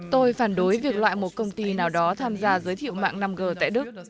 tôi phản đối việc loại một công ty nào đó tham gia giới thiệu mạng năm g tại đức